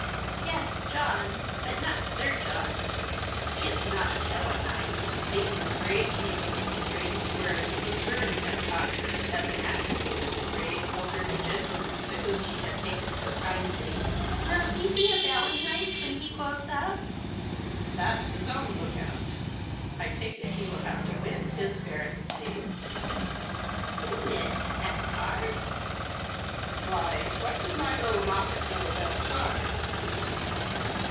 " Yes, John — but not Sir John. He is not a bawonight," making a great deal of the strange word which the servants had taught her, as an attribute of the grave elderly gentleman to whom she had taken so kindly. " Will he be a bawonight when he grows up ?" 156 The Christmas Hirelings. " That's his own look out. I take it he will have to win his baronetcy." " Win it ? At cards ?"" Why, what does my little Moppet know about cards